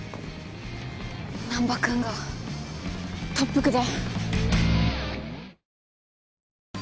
難破君が特服だ。